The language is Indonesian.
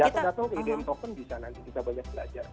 jatuh jatuh ke idean token bisa nanti kita banyak belajar